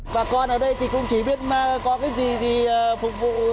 bà con ở đây thì cũng chỉ biết có cái gì thì phục vụ